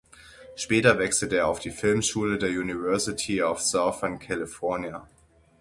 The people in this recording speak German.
Später wechselte er auf die Filmschule der University of Southern California.